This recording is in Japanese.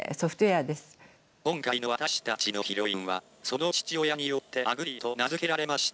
「今回の私たちのヒロインはその父親によって『あぐり』と名付けられました」。